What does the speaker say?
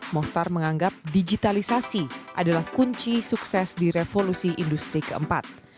mohtar menganggap digitalisasi adalah kunci sukses di revolusi industri keempat